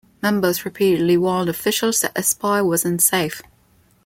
Members repeatedly warned officials that the spire was unsafe.